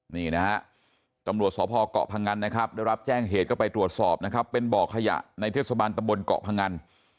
นี่นะฮะตำรวจสพเกาะพงันนะครับได้รับแจ้งเหตุก็ไปตรวจสอบนะครับเป็นบ่อขยะในเทศบาลตำบลเกาะพงัน